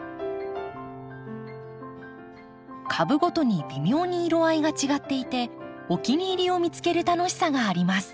株ごとに微妙に色合いが違っていてお気に入りを見つける楽しさがあります。